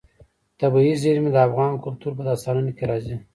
طبیعي زیرمې د افغان کلتور په داستانونو کې راځي.